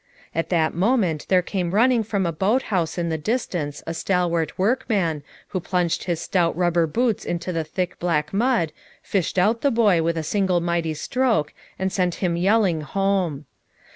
At that moment there came running from a boat house in the distance a stalwart workman who plunged his stout rubber boots into the thick black mud, fished out the boy with a single mighty stroke and sent him yell ing home.